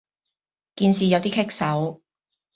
件事有啲棘手